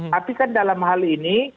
tapi kan dalam hal ini